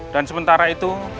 dan sementara itu